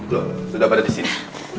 belum sudah pada di sini